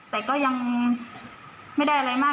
แต่ก็ยังไม่ได้อะไรมาก